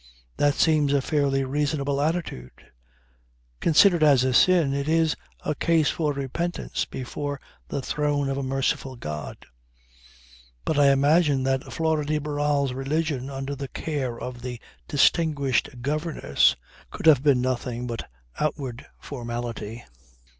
That seems a fairly reasonable attitude. Considered as a sin, it is a case for repentance before the throne of a merciful God. But I imagine that Flora de Barral's religion under the care of the distinguished governess could have been nothing but outward formality.